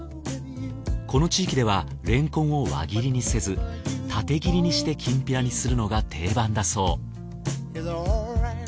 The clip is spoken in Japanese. この地域ではれんこんを輪切りにせず縦切りにしてきんぴらにするのが定番だそう。